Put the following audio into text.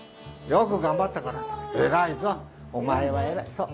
よく頑張ったから偉いぞお前は偉いそう。